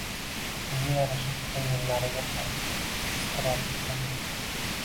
Unga yarasha koʻngillariga ham iztirob yuklamang!